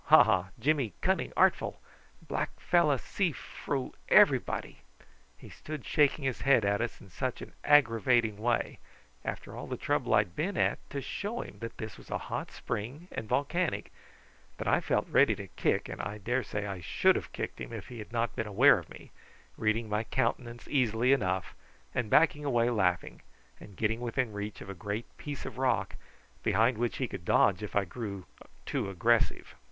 Ha! ha! Jimmy cunning artful; black fellow see froo everybody." He stood shaking his head at us in such an aggravating way, after all the trouble I had been at to show him that this was a hot spring and volcanic, that I felt ready to kick, and I daresay I should have kicked him if he had not been aware of me, reading my countenance easily enough, and backing away laughing, and getting within reach of a great piece of rock, behind which he could dodge if I grew too aggressive.